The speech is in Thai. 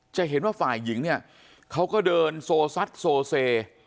จะเห็นว่าฝ่ายหญิงเนี่ยเขาก็เดินโซซัดโซเซ